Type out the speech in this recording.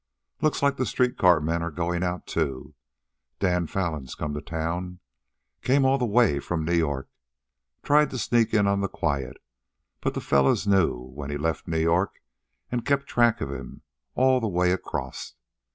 "Looks like the street car men are goin' out, too. Dan Fallon's come to town. Came all the way from New York. Tried to sneak in on the quiet, but the fellows knew when he left New York, an' kept track of him all the way acrost.